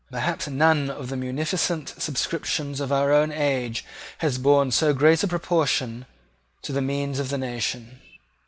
Perhaps none of the munificent subscriptions of our own age has borne so great a proportion to the means of the nation.